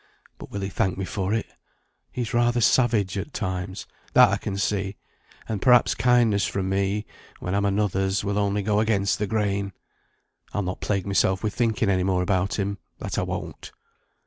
But will he thank me for it? He's rather savage at times, that I can see, and perhaps kindness from me, when I'm another's, will only go against the grain. I'll not plague myself wi' thinking any more about him, that I won't."